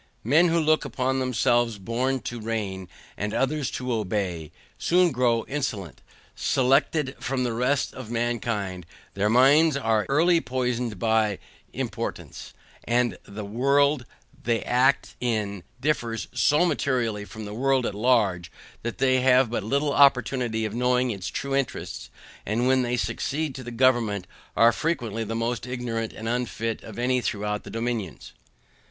Men who look upon themselves born to reign, and others to obey, soon grow insolent; selected from the rest of mankind their minds are early poisoned by importance; and the world they act in differs so materially from the world at large, that they have but little opportunity of knowing its true interests, and when they succeed to the government are frequently the most ignorant and unfit of any throughout the dominions.